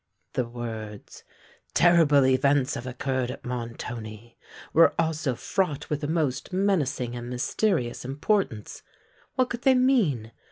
The words—"Terrible events have occurred at Montoni"—were also fraught with a most menacing and mysterious importance. What could they mean?